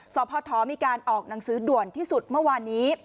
สพทมีการออกหนังสือด่วนที่สุดเมื่อวานนี้